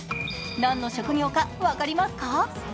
何の職業が分かりますか？